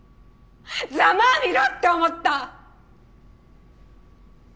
ざまあみろって思った。